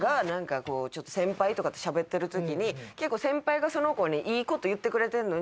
こうちょっと先輩とかとしゃべってる時に結構先輩がその子にいい事言ってくれてるのに。